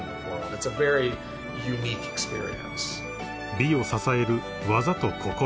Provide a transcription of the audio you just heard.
［美を支える技と心］